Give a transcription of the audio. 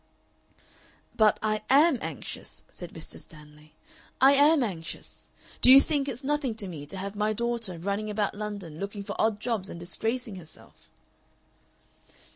"But I AM anxious," said Mr. Stanley, "I am anxious. Do you think it's nothing to me to have my daughter running about London looking for odd jobs and disgracing herself?"